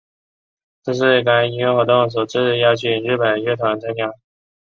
这是该音乐活动首次邀请日本乐团参加。